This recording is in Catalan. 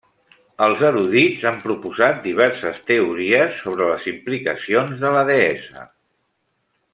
Els erudits han proposat diverses teories sobre les implicacions de la deessa.